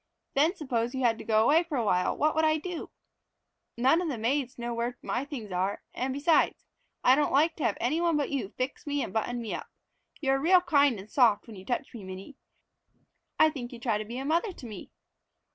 Then suppose you had to go away for awhile, what would I do? None of the other maids know where my things are and, besides, I don't like to have anyone but you fix me and button me up. You are real kind and soft when you touch me, Minnie. I think you try to be a mother to me."